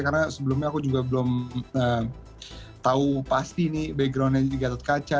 karena sebelumnya aku juga belum tahu pasti nih backgroundnya gatot kaca